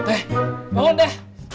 eh bangun deh